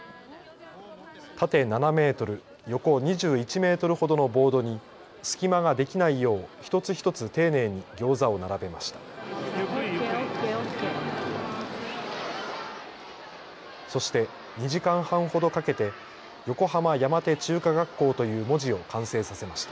縦７メートル、横２１メートルほどのボードに隙間ができないよう一つ一つ丁寧にギョーザを並べました。